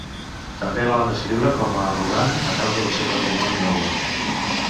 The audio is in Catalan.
També la van descriure com a arrogant a causa del seu patrimoni noble.